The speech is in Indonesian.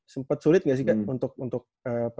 sempet sulit gak sih kan untuk untuk apa